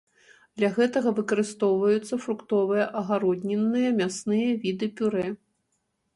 Для гэтага выкарыстоўваюцца фруктовыя, агароднінныя, мясныя віды пюрэ.